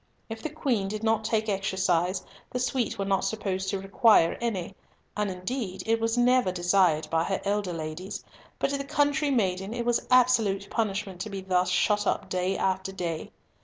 If the Queen did not take exercise, the suite were not supposed to require any, and indeed it was never desired by her elder ladies, but to the country maiden it was absolute punishment to be thus shut up day after day.